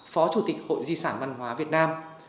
phó chủ tịch hội di sản văn hóa việt nam